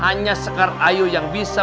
hanya sekar ayu yang bisa